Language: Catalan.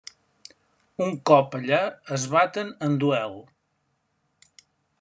Un cop allà es baten en duel.